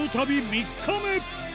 ３日目